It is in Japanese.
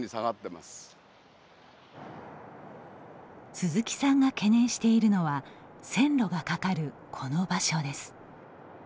鈴木さんが懸念しているのは線路がかかる、この場所です。